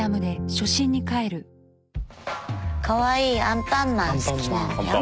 かわいいアンパンマン好きなんだよ。